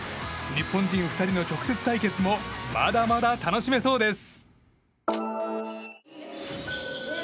日本人２人の直接対決もまだまだ楽しめそうです。